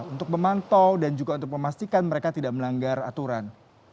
untuk memantau dan juga untuk memastikan mereka tidak melanggar aturan